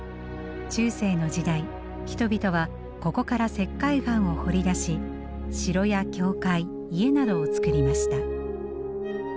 中世の時代人々はここから石灰岩を掘り出し城や教会家などを造りました。